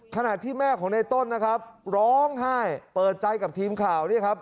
ขณะที่แม่ของในต้นนะครับร้องไห้เปิดใจกับทีมข่าวเนี่ยครับ